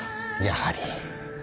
やはり。